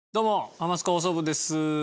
『ハマスカ放送部』です。